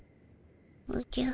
おじゃ？